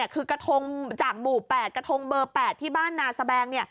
คือกระทงจากหมู่๘กระทงเบอร์๘ที่บ้านนาสแบง